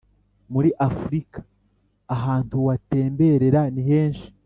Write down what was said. muri afurika ahantu watemberera nihenshi